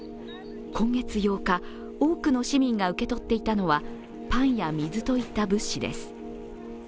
今月８日、多くの市民が受け取っていたのはパンや水といった物資です。